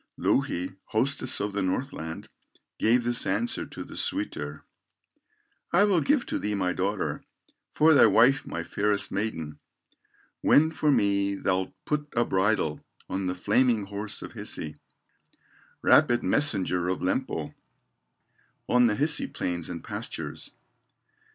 Louhi, hostess of the Northland, Gave this answer to the suitor: "I will give to thee my daughter, For thy wife my fairest maiden, When for me thou'lt put a bridle On the flaming horse of Hisi, Rapid messenger of Lempo, On the Hisi plains and pastures."